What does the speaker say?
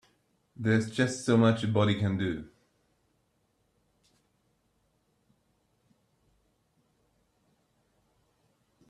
There's just so much a body can do.